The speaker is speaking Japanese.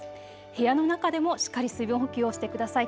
部屋の中でもしっかり水分補給をしてください。